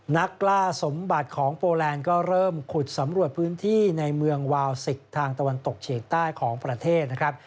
นักกล้าสมบัติของโปแลนด์ก็เริ่มขุดสำรวจพื้นที่ในเมืองวาวสิกทางตะวันตกเฉียงใต้ของประเทศนะครับ